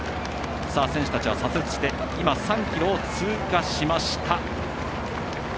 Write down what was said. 選手たちは左折して今、３ｋｍを通過しました。